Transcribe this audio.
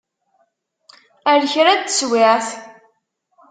Ar kra n teswiɛt.